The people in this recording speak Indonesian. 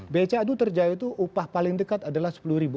beca itu terjaya itu upah paling dekat adalah sepuluh ribu